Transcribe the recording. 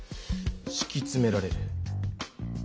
しきつめられる。